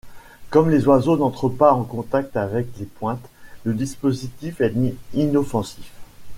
Comme les oiseaux n'entrent pas en contact avec les pointes, le dispositif est inoffensif.